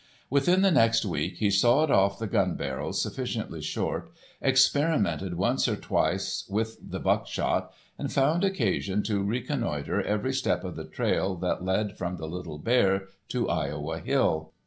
Within the next week he sawed off the gun barrels sufficiently short, experimented once or twice with the buckshot, and found occasion to reconnoiter every step of the trail that led from the Little Bear to Iowa Hill.